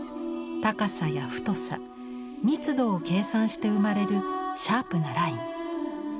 高さや太さ密度を計算して生まれるシャープなライン。